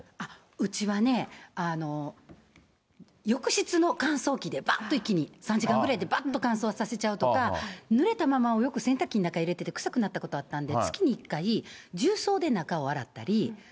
うちはね、浴室の乾燥機でばーっと一気に、３時間ぐらいでばんと乾燥させちゃうとか、ぬれたままお洋服を洗濯機に入れてて臭くなったことあったんで、月に一回、重層で中を洗ったり。